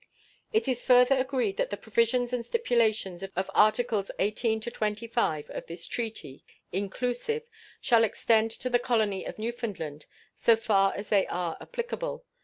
"It is further agreed that the provisions and stipulations of Articles XVIII to XXV of this treaty, inclusive, shall extend to the colony of Newfoundland so far as they are applicable.